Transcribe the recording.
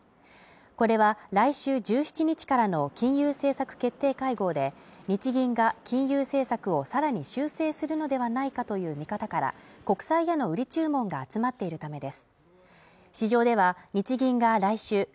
これは来週１７日からの金融政策決定会合で日銀が金融政策をさらに修正するのではないかという見方から国債への売り注文が集まっているためです